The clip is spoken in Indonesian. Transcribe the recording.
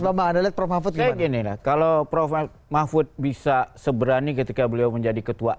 bapak ada prof mahfud kayak gini kalau prof mahfud bisa seberani ketika beliau menjadi ketua